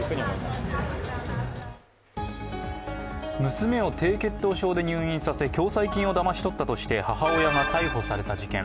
娘を低血糖症で入院させ共済金をだまし取ったとして母親が逮捕された事件。